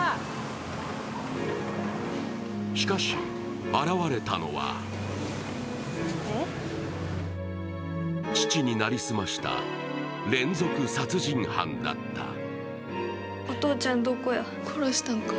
しかし、現れたのは父に成り済ました連続殺人犯だった。